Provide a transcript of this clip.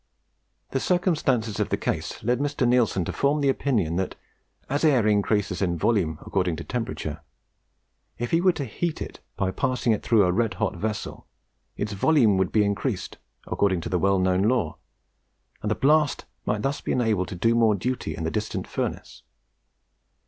The circumstances of the case led Mr. Neilson to form the opinion that, as air increases in volume according to temperature, if he were to heat it by passing it through a red hot vessel, its volume would be increased, according to the well known law, and the blast might thus be enabled to do more duty in the distant furnace.